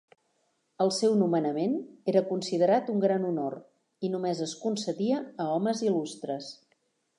El seu nomenament era considerat un gran honor i només es concedia a homes il·lustres.